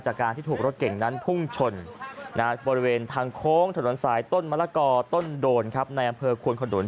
จากการที่ถูกรถเก่งนั้นพุ่งชนบริเวณทางโค้งถนนสายต้นมะละกอต้นโดนครับในอำเภอควนขนุน